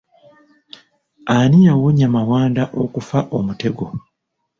Ani yawonya Mawanda okufa omutego?